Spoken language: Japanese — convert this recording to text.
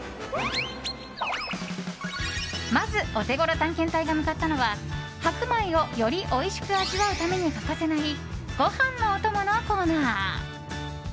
まずオテゴロ探検隊が向かったのは白米をよりおいしく味わうために欠かせないご飯のお供のコーナー。